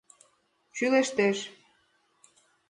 Шӱлештеш: